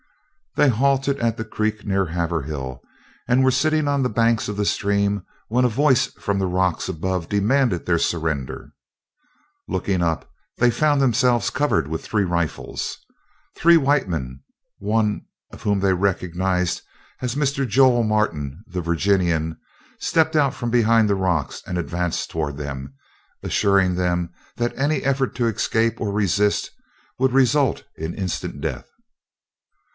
They halted at the creek near Haverhill, and were sitting on the banks of the stream, when a voice from the rocks above demanded their surrender. Looking up, they found themselves covered with three rifles. Three white men, one of whom they recognized as Mr. Joel Martin, the Virginian, stepped out from behind the rocks and advanced toward them, assuring them that any effort to escape, or resist would result in instant death.